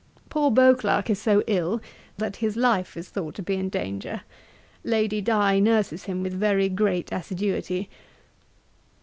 'Poor Beauclerk is so ill, that his life is thought to be in danger. Lady Di nurses him with very great assiduity.